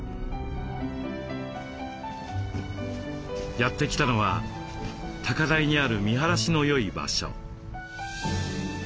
やって来たのは高台にある見晴らしのよい場所。